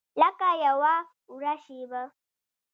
لکه یوه وړه شیبه